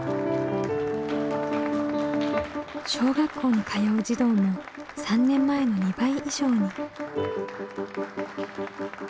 小学校に通う児童も３年前の２倍以上に。